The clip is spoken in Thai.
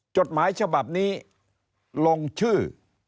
จดหมายฉบับนี้ลงชื่อ